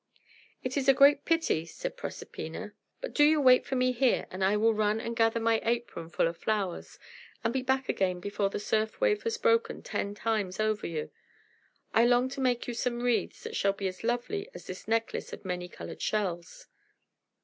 "It is a great pity," said Proserpina. "But do you wait for me here, and I will run and gather my apron full of flowers, and be back again before the surf wave has broken ten times over you. I long to make you some wreaths that shall be as lovely as this necklace of many coloured shells."